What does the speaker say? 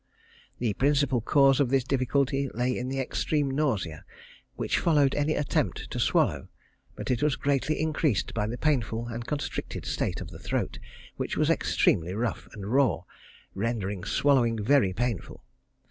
The principal cause of this difficulty lay in the extreme nausea which followed any attempt to swallow, but it was greatly increased by the painful and constricted state of the throat, which was extremely rough and raw, and rendered swallowing very painful.